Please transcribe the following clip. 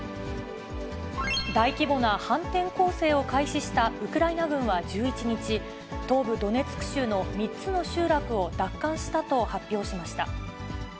大規模な反転攻勢を開始したウクライナ軍は１１日、東部ドネツク州の３つの集落を奪還したと発表しました。